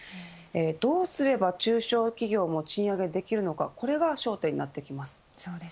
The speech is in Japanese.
どうすれば中小企業も賃上げできるのかこれが焦点になってきます。